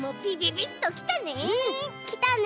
きたね！